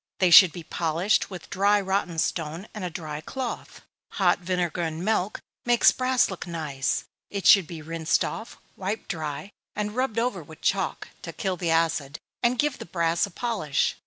They should be polished with dry rotten stone, and a dry cloth. Hot vinegar and milk makes brass look nice it should be rinsed off, wiped dry, and rubbed over with chalk, to kill the acid, and give the brass a polish.